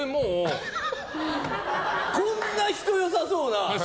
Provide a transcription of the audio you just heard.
こんな人、良さそうな。